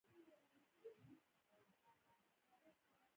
خبرې کول څه ګټه لري؟